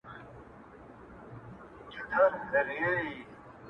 چا توپکونه چا واسکټ چا طیارې راوړي!!